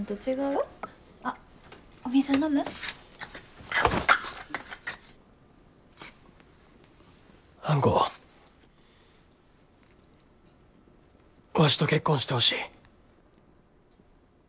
わしと結婚してほしい。